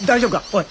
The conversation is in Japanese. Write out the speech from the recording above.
おい！